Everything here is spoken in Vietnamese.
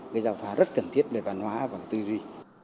cái giao thoa rất cần thiết về văn hóa và tư duy